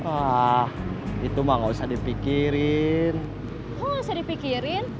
ah itu mah gak usah dipikirin